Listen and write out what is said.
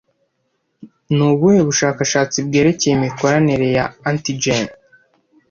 Ni ubuhe bushakashatsi bwerekeye imikoranire ya antigene